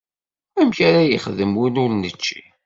Amek ara yexdem win ur nečči?